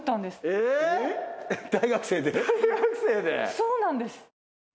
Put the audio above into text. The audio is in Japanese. そうなんです。